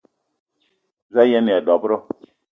Za a yen-aya dob-ro?